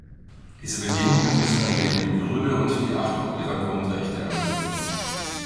Diese Bedingungen müssen ein Leben in Würde und die Achtung ihrer Grundrechte ermöglichen.